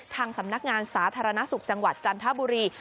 ทางสำนักงานสาธารณสุขจังหวัดจันทบุรี